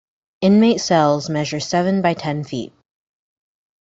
Inmate cells measure seven by ten feet.